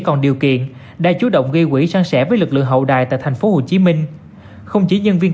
còn điều kiện đã chú động gây quỹ sang sẻ với lực lượng hậu đài tại tp hcm không chỉ nhân viên